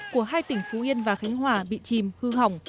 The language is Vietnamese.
của hai tỉnh phú yên và khánh hòa bị chìm hư hỏng